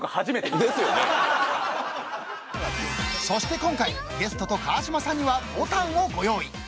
［そして今回ゲストと川島さんにはボタンをご用意］